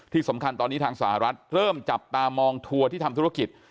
ที่สำคัญตอนนี้ทางสหรัฐเริ่มจับตามองทัวร์ที่ทำธุรกิจ